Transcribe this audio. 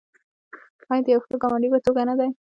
آیا د یو ښه ګاونډي په توګه نه دی؟